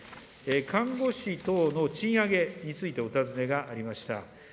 看護師等の賃上げについてお尋ねがありました。